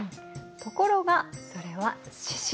ところがそれは獅子。